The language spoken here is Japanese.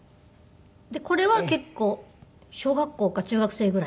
これは結構小学校が中学生ぐらい。